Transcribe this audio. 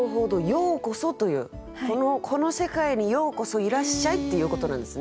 「ようこそ」という「この世界にようこそいらっしゃい」っていうことなんですね。